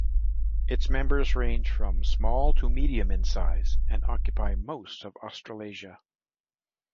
Its members range from small to medium in size, and occupy most of Australasia.